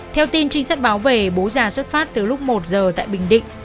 theo tin trinh sát báo về bố già xuất phát từ lúc một giờ tại bình định